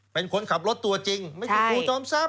เป็นคนขับรถตัวจริงไม่ใช่ครูจอมทรัพย